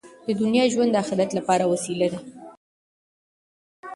د دنیا ژوند د اخرت لپاره وسیله ده.